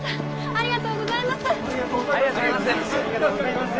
ありがとうございます！